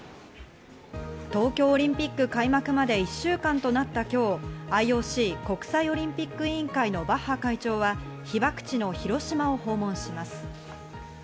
東京オリンピック開幕まで１週間となった今日、ＩＯＣ＝国際オリンピック委員会のバッハ会長は、被爆地の広島を訪問します。